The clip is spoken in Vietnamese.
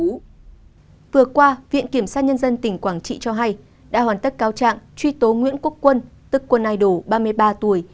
vừa qua viện kiểm soát nhân dân tỉnh quảng trị cho hay đã hoàn tất cao trạng truy tố nguyễn quốc quân tức quân ai đổ ba mươi ba tuổi